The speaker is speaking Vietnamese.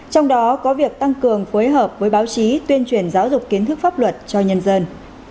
trong đó có việc tăng cường phối hợp với báo chí tuyên truyền giáo dục kiến thức pháp luật cho nhân dân